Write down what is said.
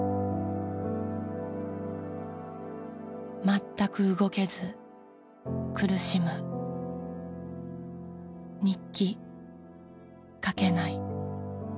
「全く動けず苦しむ」「日記書けない」